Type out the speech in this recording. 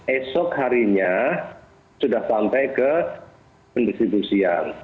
esok harinya sudah sampai ke pendistribusian